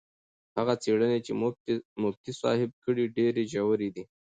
هغه څېړنې چې مفتي صاحب کړي ډېرې ژورې دي.